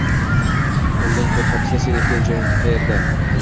Undan qo`rqa-pisa Sen aytgan joy qaerda